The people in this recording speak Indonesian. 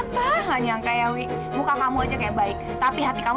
dari susah payah nyari itu